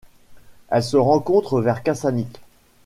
Elle se rencontre vers Kačanik.